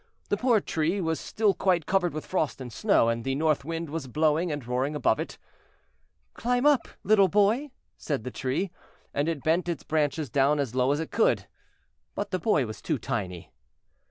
The poor tree was still quite covered with frost and snow, and the North Wind was blowing and roaring above it. "Climb up! little boy," said the Tree, and it bent its branches down as low as it could; but the boy was too tiny.